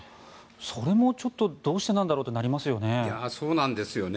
それもちょっとどうしてなんだろうってなりますよね。